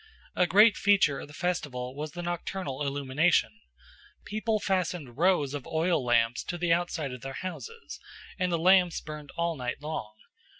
A great feature of the festival was the nocturnal illumination. People fastened rows of oil lamps to the outside of their houses, and the lamps burned all night long.